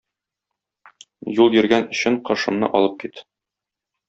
Юл йөргән өчен кошымны алып кит!